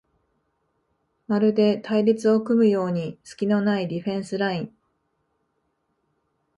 まるで隊列を組むようにすきのないディフェンスライン